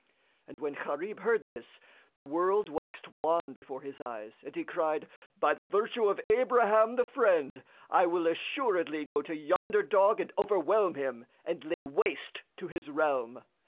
And when Gharib heard this, the world waxed wan before his eyes and he cried, "By the virtue of Abraham the Friend, I will assuredly go to yonder dog and overwhelm him and lay waste his realm!"